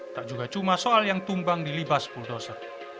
tak juga cuma soal yang tumbang di libas puldoso